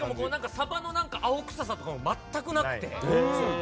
鯖の青臭さとかも全くなくて。